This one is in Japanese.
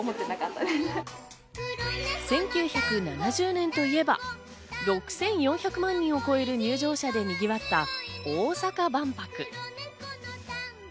１９７０年といえば、６４００万人を超える入場者でにぎわった大阪万博。